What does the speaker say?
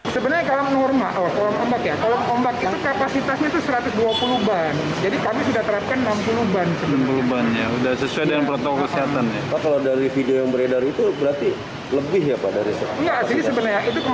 sesuai dengan protokol kesehatan